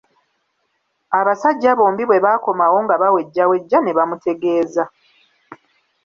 Abasajja bombi bwe baakomawo nga bawejjawejja ne bamutegeeza.